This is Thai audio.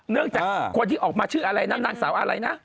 จากคนที่ออกมาชื่ออะไรนะนางสาวอะไรนะ